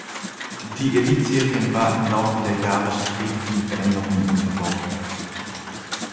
Die Elitserien war im Laufe der Jahre stetigen Veränderungen unterworfen.